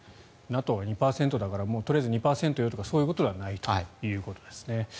ＮＡＴＯは２％だからとりあえず２％だということはないということですね。